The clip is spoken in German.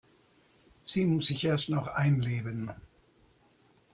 Sie muss sich erst noch einleben.